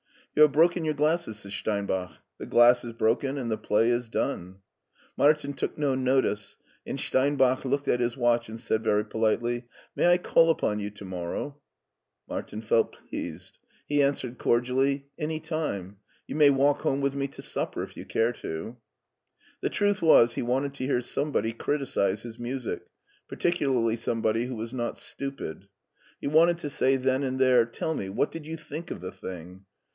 You have broken your glasses," said Steinbach. The glass is broken, and the play is done." Martin took no notice, and Steinbach looked at his watch and said very politely, " May I call upon you to morrow ?" Martin felt pleased. He answered cordially, *' Any time. You may walk home with me to supper if you care to." The truth was he wanted to hear somebody criticize his music, particularly somebody who was not stupid. He wanted to say then and there, *'Tell me what did you think of the thing